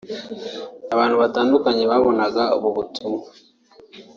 Abantu batandukanye babonaga ubu butumwa